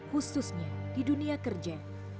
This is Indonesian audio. khususnya di dunia kerja